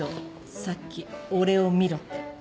さっき俺を見ろって。